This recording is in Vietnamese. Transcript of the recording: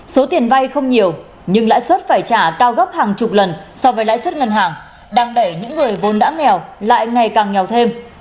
số tiền vay không nhiều nhưng lãi suất phải trả cao gấp hàng chục lần so với lãi suất ngân hàng đang đẩy những người vốn đã nghèo lại ngày càng nghèo thêm